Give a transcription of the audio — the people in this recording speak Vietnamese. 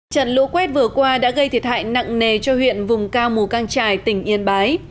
trận lũ quét vừa qua đã gây thiệt hại nặng nề cho huyện vùng cao mù căng trải tỉnh yên bái